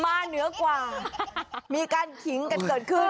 เหนือกว่ามีการขิงกันเกิดขึ้น